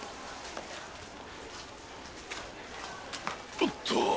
おっと！